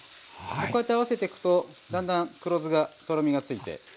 こうやって合わせていくとだんだん黒酢がとろみがついて。